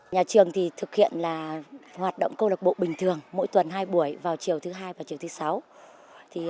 nhà trường thực hiện là hoạt động câu lạc bộ bình thường mỗi tuần hai buổi vào chiều thứ hai và chiều thứ sáu